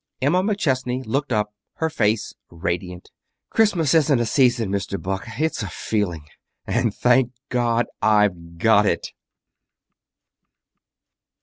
_ Emma McChesney looked up, her face radiant. "Christmas isn't a season, Mr. Buck. It's a feeling; and, thank God, I've got it!"